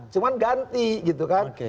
cuma ganti gitu kan